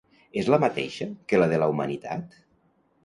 És la mateixa que la de la humanitat?